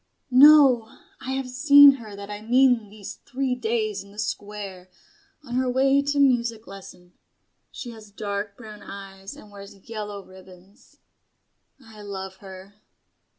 "No. I have seen her that I mean these three days in the Square, on her way to music lesson. She has dark brown eyes and wears yellow ribbons. I love her."